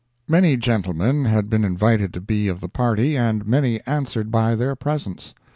Many gentlemen had been invited to be of the party, and many answered by their presence.